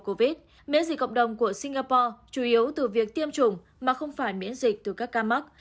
nếu người mất dịch miễn dịch cộng đồng của singapore chủ yếu từ việc tiêm chủng mà không phải miễn dịch từ các ca mắc